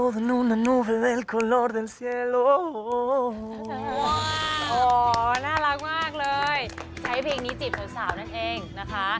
ใช้เพลงนี้จีบสาวนั่นเองนะคะ